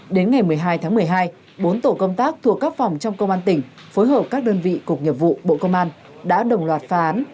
đến ngày một mươi hai tháng một mươi hai bốn tổ công tác thuộc các phòng trong công an tỉnh phối hợp các đơn vị cục nghiệp vụ bộ công an đã đồng loạt phá án